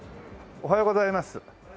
おはようございます。